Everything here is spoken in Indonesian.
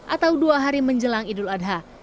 atau dua hari menjelang idul adha